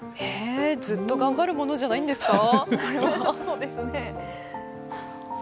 ずっと頑張るものじゃないんですか？